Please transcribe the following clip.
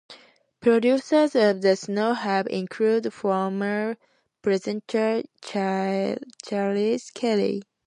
Producers of the show have included former presenter Chris Kelly.